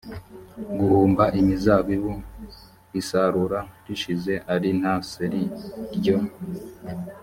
guhumba imizabibu isarura rishize ari nta seri ryo